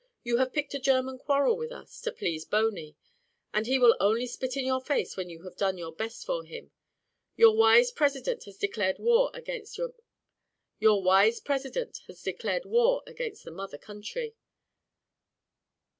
You have picked a German quarrel with us, to please Boney; and he will only spit in your face when you have done your best for him. Your wise president has declared war against the mother country."